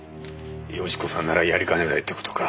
喜子さんならやりかねないって事か。